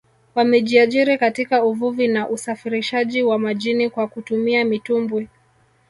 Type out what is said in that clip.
Wamejiajiri katika uvuvi na usafirishaji wa majini kwa kutumia mitumbwi